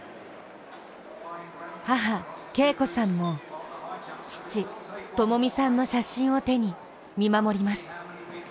母・恵子さんも父・知巳さんの写真を手に見守ります。